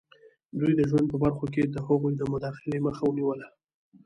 دوی د ژوند په برخو کې د هغوی د مداخلې مخه ونیوله.